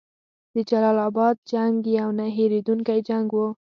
د جلال اباد جنګ یو نه هیریدونکی جنګ وو.